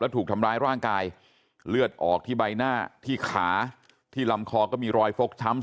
ถูกทำร้ายร่างกายเลือดออกที่ใบหน้าที่ขาที่ลำคอก็มีรอยฟกช้ำ